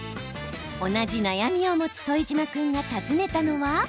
同じ悩みを持つ副島君が訪ねたのは。